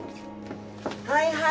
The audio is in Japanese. はいはい。